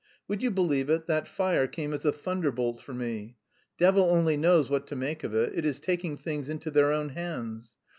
Would you believe it, that fire came as a thunderbolt for me. Devil only knows what to make of it! It is taking things into their own hands....